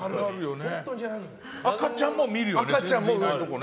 赤ちゃんも見るよね。